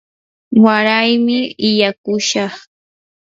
waraymi illaakushaq.